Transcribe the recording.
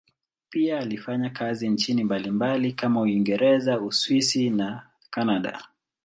Pia alifanya kazi nchini mbalimbali kama Uingereza, Uswisi na Kanada.